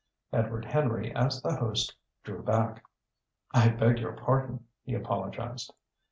Edward Henry, as the host, drew back. "I beg your pardon!" he apologised.